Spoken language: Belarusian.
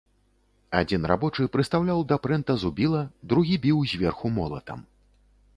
Адзін рабочы прыстаўляў да прэнта зубіла, другі біў зверху молатам.